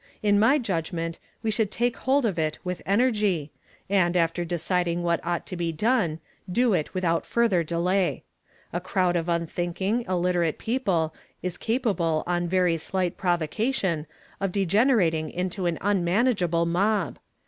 In my judgment, we should take hold of it with energy, and, after deciding what ought to be done, do it without further delay. A crowd of unthink ing, illiterate people is capable on very slight provo cation of degenerating into an unmanageable mob.